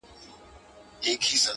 ماته د مار خبري ډيري ښې دي،